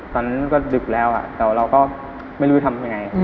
ตอนนั้นก็ดึกแล้วแต่เราก็ไม่รู้ทำยังไง